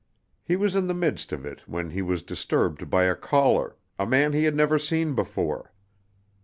He was in the midst of it, when he was disturbed by a caller, a man he had never seen before.